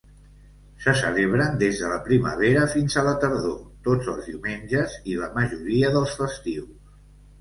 Se celebren des de la primavera fins a la tardor, tots els diumenges i la majoria dels festius.